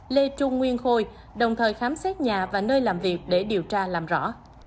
lê trung nguyên khôi đồng thời khám xét nhà và nơi làm việc để điều tra làm rõ